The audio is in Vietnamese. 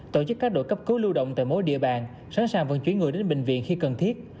tổ chức các đội cấp cứu lưu động tại mỗi địa bàn sẵn sàng vận chuyển người đến bệnh viện khi cần thiết